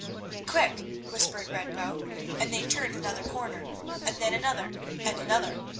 "Quick," whispered Red Bow, and they turned another corner, then another, and another.